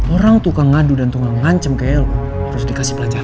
orang tukang ngadu dan tukang ngancem kayak lo harus dikasih pelajaran